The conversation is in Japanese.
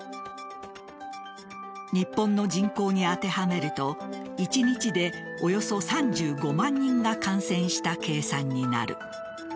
日本の人口に当てはめると１日でおよそ３５万人が感染した計算になる。